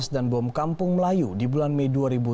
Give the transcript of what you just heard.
dan bom kampung melayu di bulan mei dua ribu tujuh belas